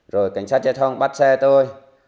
rồi cảnh sát giao thông bắt xe tôi